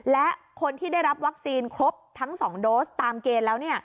และคนที่ได้รับวัคซีนครบทั้ง๒โดสตามเกณฑ์แล้ว